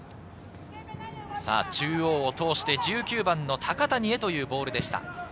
中央を通して１９番の高谷へというボールでした。